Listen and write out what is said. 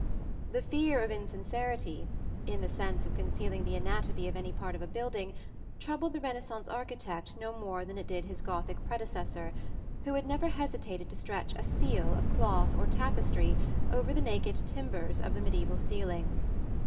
The fear of insincerity, in the sense of concealing the anatomy of any part of a building, troubled the Renaissance architect no more than it did his Gothic predecessor, who had never hesitated to stretch a "ciel" of cloth or tapestry over the naked timbers of the mediæval ceiling.